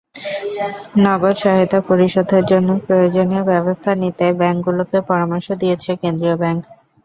নগদ সহায়তা পরিশোধের জন্য প্রয়োজনীয় ব্যবস্থা নিতে ব্যাংকগুলোকে পরামর্শ দিয়েছে কেন্দ্রীয় ব্যাংক।